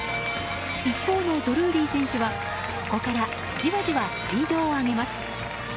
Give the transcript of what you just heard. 一方のドルーリー選手はここからじわじわスピードを上げます。